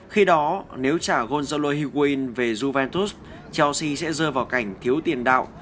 khi đó nếu trả golzalo hegoin về juventus chelsea sẽ rơi vào cảnh thiếu tiền đạo